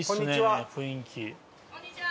こんにちは。